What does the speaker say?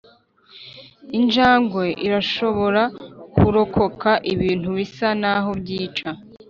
injangwe irashobora kurokoka ibintu bisa naho byica.